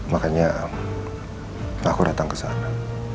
makanya aku datang ke sana